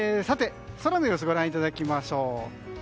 空の様子をご覧いただきましょう。